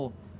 gak ada apa